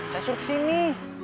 saya suruh kesini